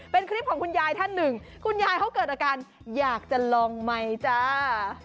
เป็นคลิปของคุณยายท่านหนึ่งคุณยายเขาเกิดอาการอยากจะลองไมค์จ้า